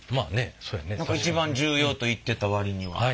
一番重要と言ってた割には。